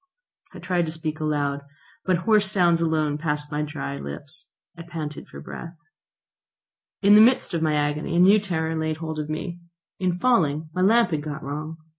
I tried to speak aloud, but hoarse sounds alone passed my dry lips. I panted for breath. In the midst of my agony a new terror laid hold of me. In falling my lamp had got wrong.